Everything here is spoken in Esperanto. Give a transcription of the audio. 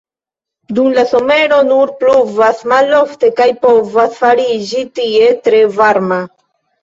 Dum la somero nur pluvas malofte kaj povas fariĝi tie tre varma.